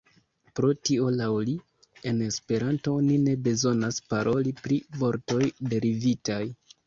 Pro tio, laŭ li, en Esperanto oni ne bezonas paroli pri vortoj derivitaj.